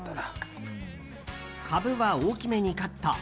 カブは大きめにカット。